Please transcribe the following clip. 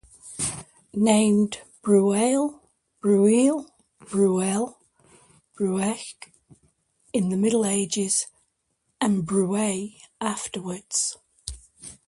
Named Bruail, Brueil, Bruel, Bruech in the Middle Ages and Bruay afterwards.